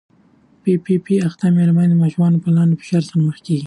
پي پي پي اخته مېرمنې د ماشوم پالنې له فشار سره مخ کېږي.